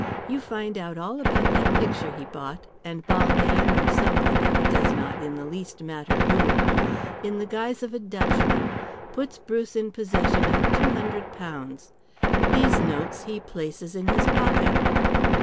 You find out all about that picture he bought, and Balmayne or somebody it does not in the least matter who in the guise of a Dutchman puts Bruce in possession of £200. These notes he places in his pocket.